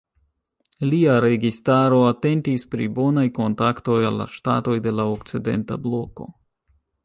Lia registaro atentis pri bonaj kontaktoj al la ŝtatoj de la okcidenta bloko.